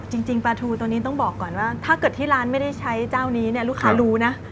จริงปลาทูตัวนี้ต้องบอกก่อนว่าถ้าเกิดที่ร้านไม่ได้ใช้เจ้านี้เนี่ยลูกค้ารู้นะ